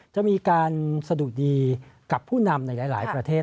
จะมีการสะดุดีกับผู้นำในหลายประเทศ